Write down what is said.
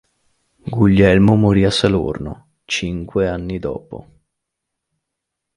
Guglielmo morì a Salorno cinque anni dopo.